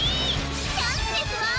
チャンスですわ！